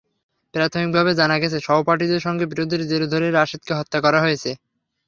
প্রাথমিকভাবে জানা গেছে, সহপাঠীদের সঙ্গে বিরোধের জের ধরেই রাশেদকে হত্যা করা হয়েছে।